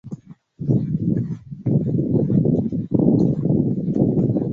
The Helms Award was given to pitcher Lindsay Orford of Victoria.